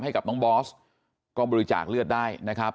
ให้กับน้องบอสก็บริจาคเลือดได้นะครับ